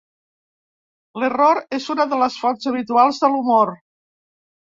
L'error és una de les fonts habituals de l'humor.